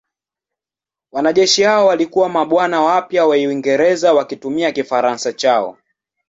Wanajeshi hao walikuwa mabwana wapya wa Uingereza wakitumia Kifaransa chao.